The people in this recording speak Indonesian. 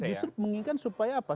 justru menginginkan supaya apa